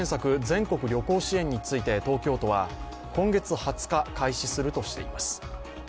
全国旅行支援について東京都は今月２０日、開始するとしています。